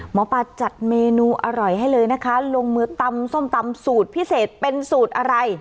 หมอปาจัดเมนูอร่อยให้เลยนะคะลงมือตำส้มตำสูตรพิเศษเป็นสูตรอะไร